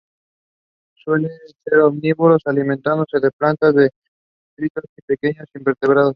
Suelen ser omnívoros, alimentándose de plantas, detritos y pequeños invertebrados.